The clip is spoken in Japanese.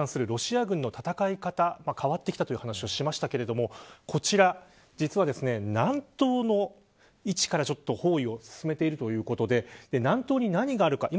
そんな中、首都キエフに関するロシア軍の戦い方が変わってきたという話をしましたがこちら、実は南東の位置から包囲を進めているということで南東に何があるか。